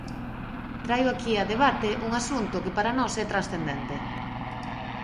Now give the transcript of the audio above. Traio aquí a debate un asunto que para nós é transcendente.